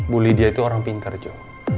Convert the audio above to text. bu lydia itu orang pintar jo